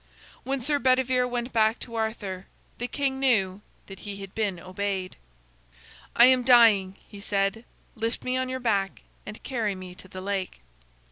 When Sir Bedivere went back to Arthur, the king knew that he had been obeyed. "I am dying," he said. "Lift me on your back and carry me to the lake."